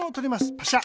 パシャ。